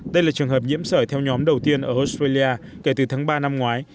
đây là trường hợp nhiễm sởi theo nhóm đầu tiên ở australia kể từ tháng ba năm ngoái